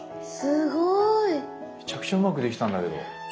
めちゃくちゃうまくできたんだけど。